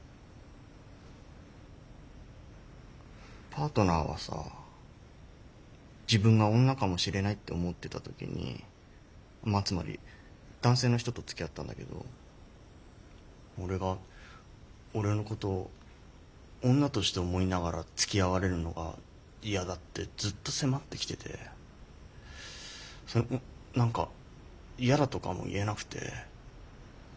パートナーはさ自分が女かもしれないって思ってた時にまあつまり男性の人とつきあったんだけど俺が俺のことを女として思いながらつきあわれるのが嫌だってずっと迫ってきててそれも何か嫌だとかも言えなくて。